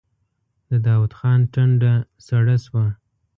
د داوود خان ټنډه سړه شوه.